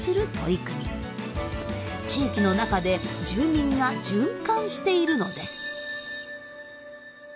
地域の中で住民が循環しているのです。